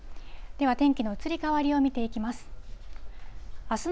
では、天気の移り変わりを見ていきます。